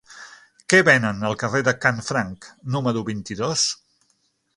Què venen al carrer de Canfranc número vint-i-dos?